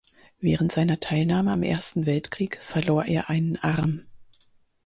Während seiner Teilnahme am Ersten Weltkrieg verlor er einen Arm.